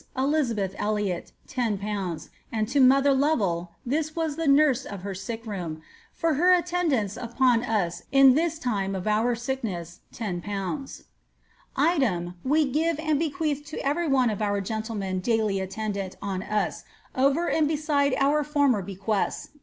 Elizabeth Eliot, 10/., and to mother Lovell QkiM irai tk nurtt of her tick room)^ for her attendance upon iu in this lime of thia our oek ness, 10/. Item, we give and bequeath to eyery one of our gentlemen daily attendant oa us, over and beside our former bequests (viz.